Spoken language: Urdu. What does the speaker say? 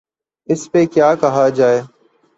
اس پہ کیا کہا جائے؟